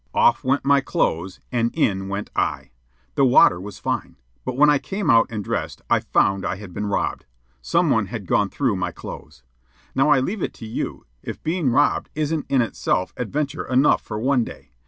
Off went my clothes and in went I. The water was fine; but when I came out and dressed, I found I had been robbed. Some one had gone through my clothes. Now I leave it to you if being robbed isn't in itself adventure enough for one day.